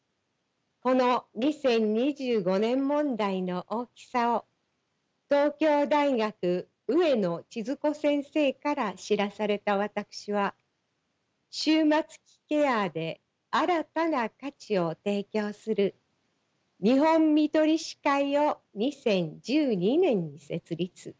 この２０２５年問題の大きさを東京大学上野千鶴子先生から知らされた私は終末期ケアで新たな価値を提供する日本看取り士会を２０１２年に設立。